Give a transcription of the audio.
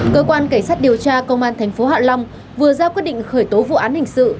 cơ quan cảnh sát điều tra công an tp hạ long vừa ra quyết định khởi tố vụ án hình sự